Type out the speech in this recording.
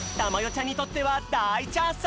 ちゃんにとってはだいチャンス！